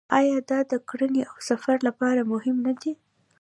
آیا دا د کرنې او سفر لپاره مهم نه دی؟